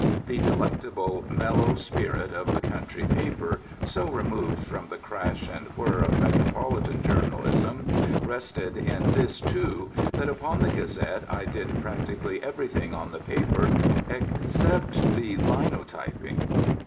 The delectable, mellow spirit of the country paper, so removed from the crash and whirr of metropolitan journalism, rested in this, too, that upon the Gazette I did practically everything on the paper except the linotyping.